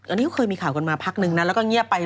อันนี้ก็เคยมีข่าวกันมาพักนึงนะแล้วก็เงียบไป